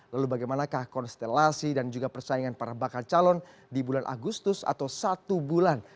lalu bagaimanakah konstelasi dan juga persaingan para bakal calon di bulan agustus atau satu bulan